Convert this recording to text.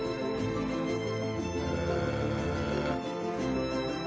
へえ。